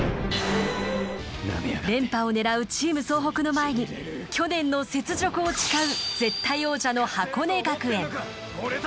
連覇を狙うチーム総北の前に去年の雪辱を誓う絶対王者の箱根学園。